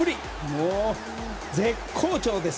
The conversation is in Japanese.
もう、絶好調です